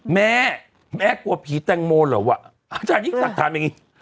แม่แม่กลัวผีแตงโมเหรอวะอาจารยิ่งศักดิ์ถามอย่างนี้